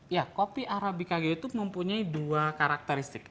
ya kopi arabica gayo itu mempunyai dua karakteristik